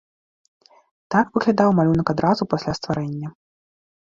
Так выглядаў малюнак адразу пасля стварэння.